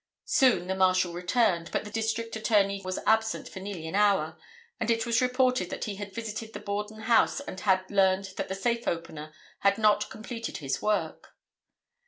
Soon the Marshal returned, but the District Attorney was absent for nearly an hour, and it was reported that he had visited the Borden house and had learned that the safe opener had not completed his work.